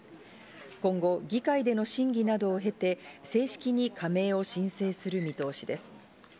今後議会での審議などを経て、正式に加盟を申請する見通しです。